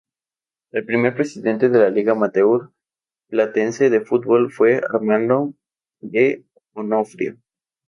El primer presidente de la Liga Amateur Platense de fútbol fue Armando D´Onofrio.